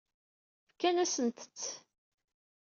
Fkan-asent-t.